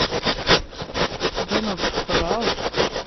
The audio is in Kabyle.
Tettbaneḍ-d txelɛeḍ.